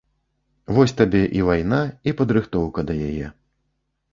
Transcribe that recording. Вось табе і вайна, і падрыхтоўка да яе.